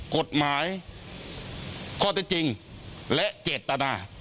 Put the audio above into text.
กฎหมายข้อเท็จจริงและเจตนา